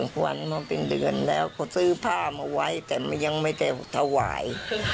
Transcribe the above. ขวัญมาเป็นเดือนแล้วเขาซื้อผ้ามาไว้แต่มันยังไม่ได้ถวาย